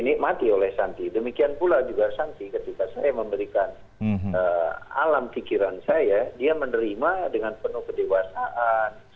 nikmati oleh santi demikian pula juga sangsi ketika saya memberikan alam pikiran saya dia menerima dengan penuh kedewasaan